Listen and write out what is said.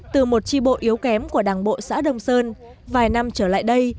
từ một tri bộ yếu kém của đảng bộ xã đông sơn vài năm trở lại đây